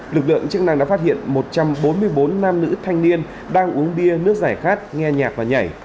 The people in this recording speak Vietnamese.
lực lượng chức năng đã phát hiện một trăm bốn mươi bốn nam nữ thanh niên đang uống bia nước giải khát nghe nhạc và nhảy